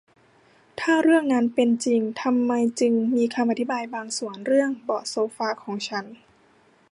ถ้าเรื่องนั้นเป็นจริง ทำไมจึงมีคำอธิบายบางส่วนเรื่องเบาะโซฟาของฉัน